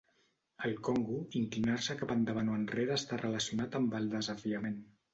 Al Kongo, inclinar-se cap endavant o enrere està relacionat amb el desafiament.